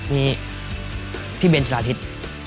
มีพี่เบนชาวอาทิตย์